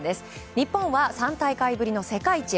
日本は３大会ぶりの世界一へ。